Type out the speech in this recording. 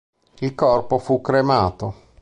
Il corpo fu cremato.